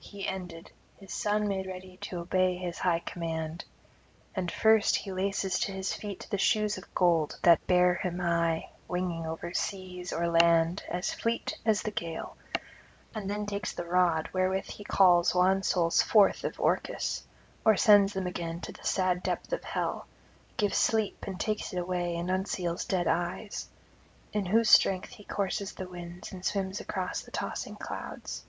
He ended: his son made ready to obey his high command. And first he laces to his feet the shoes of gold that bear him high winging over seas or land as fleet as the gale; then takes the rod wherewith he calls wan souls forth of Orcus, or sends them again to the sad depth of hell, gives sleep and takes it away and unseals dead eyes; in whose strength he courses the winds and swims across the tossing clouds.